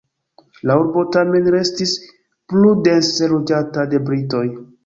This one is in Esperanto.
La urbo tamen restis plu dense loĝata de britoj.